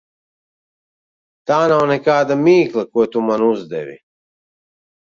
Tā nav nekāda mīkla, ko tu man uzdevi.